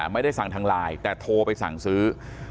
ไม่ได้สั่งทางไลน์แต่โทรไปสั่งซื้อ